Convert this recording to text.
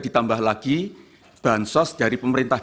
ditambah lagi bahan sos dari pemerintah